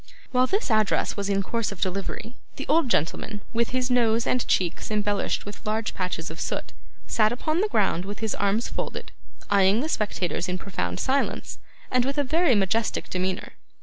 While this address was in course of delivery, the old gentleman, with his nose and cheeks embellished with large patches of soot, sat upon the ground with his arms folded, eyeing the spectators in profound silence, and with a very majestic demeanour.